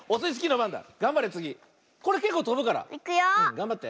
がんばって。